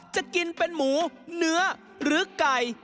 จะกินเป็นหมูเนื้อหรือไก่